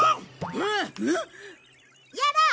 やろう！